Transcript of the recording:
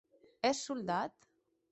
Ès soldat?